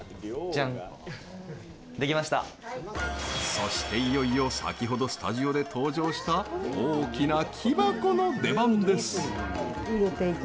そしていよいよ先ほどスタジオで登場した大きな木箱の出番です！